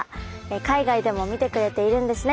海外でも見てくれているんですね。